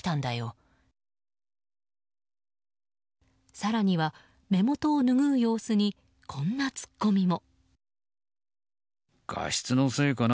更には、目元を拭う様子にこんなツッコミも。